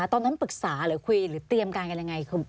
ตอนนั้นปรึกษาหรือคุยหรือเตรียมการกันยังไง